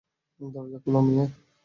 দরজা খোল, মেয়ে!